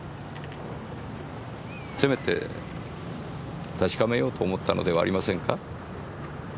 せめて確かめようと思ったのではありませんか？